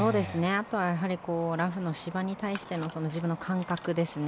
あとはラフの芝に対しての自分の感覚ですね。